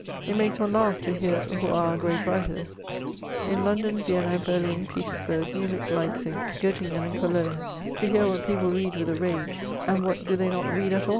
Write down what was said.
It makes one laugh to hear who are our great writers, m London, Vienna, Berlin, Petersburg, Munich, Leipsic, G5t tingen, and Cologne — ^to hear what people read with a rage, and what do they not read at aD.